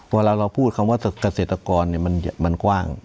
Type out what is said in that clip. เวลาเราพูดคำว่าเกษตรกรมันกว้าง